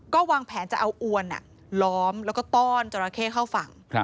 ก็วางแผนจะเอาอวนล้อมแล้วก็ต้อนจราเข้เข้าฝั่ง